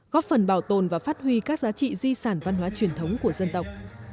góp phần bảo tồn và phát huy các giá trị di sản văn hóa truyền thống của dân tộc